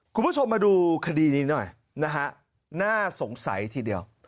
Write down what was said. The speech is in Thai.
คุณผู้ชมมาดูคดีนี้หน่อยนะฮะน่าสงสัยทีเดียว